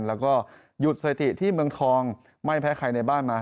แล้วก็หยุดสถิติที่เมืองทองไม่แพ้ใครในบ้านมา